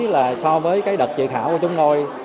là so với cái đợt dự thảo của chúng tôi